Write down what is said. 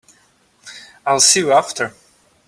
I'll see you after.